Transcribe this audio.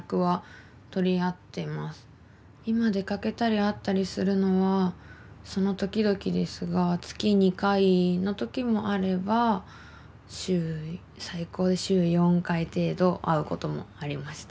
今出かけたり会ったりするのはその時々ですが月２回の時もあれば最高で週４回程度会うこともありました。